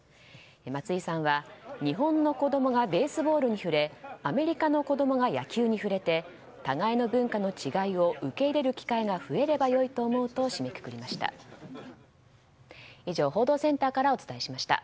松井さんは日本の子供がベースボールに触れアメリカの子供がヤキュウに触れて互いの文化の違いを受け入れる機会が増えれば良いと思うと締めくくりました。